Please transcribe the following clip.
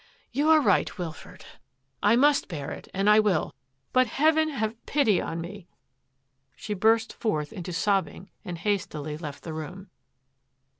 " You are right, Wilfred. I must bear it, and I will! But Heaven have pity on me !" She burst forth into sobbing and hastily left the room.